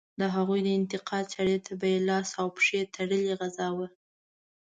د هغوی د انتقام چاړې ته به یې لاس او پښې تړلې غځاوه.